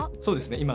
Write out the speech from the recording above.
そうですね